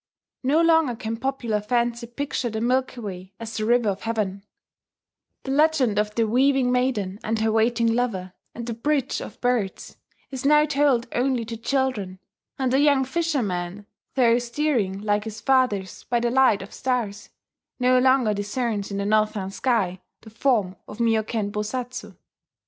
No longer can popular fancy picture the Milky Way as the River of Heaven; the legend of the Weaving Maiden, and her waiting lover, and the Bridge of Birds, is now told only to children; and the young fisherman, though steering, like his fathers, by the light of stars, no longer discerns in the northern sky the form of Mioken Bosatsu.